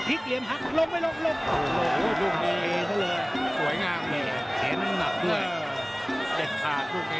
พีชเอียมฮักลงไม่ลงลงโอ้โหดูเข้าเลยสวยงามเห็นหนักด้วยเด็ดขาดทุกเข้